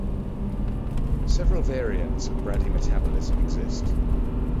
Several variants of bradymetabolism exists.